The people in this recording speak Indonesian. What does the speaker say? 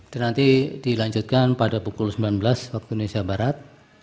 dan nanti dilanjutkan pada pukul sembilan belas waktu indonesia barat